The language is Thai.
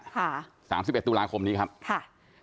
สามสิบเอ็ดตุลาคมนี้ครับค่ะ